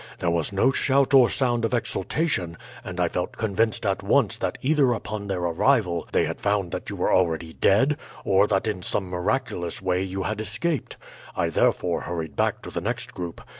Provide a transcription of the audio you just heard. There was no shout or sound of exultation, and I felt convinced at once that either upon their arrival they had found that you were already dead, or that in some miraculous way you had escaped. I therefore hurried back to the next group.